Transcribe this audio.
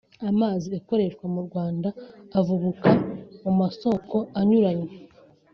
Amazi akoreshwa mu Rwanda avubuka mu masoko anyuranye